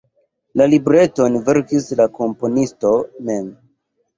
La libreton verkis la komponisto mem.